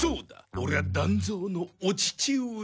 オレは団蔵のお父上だ。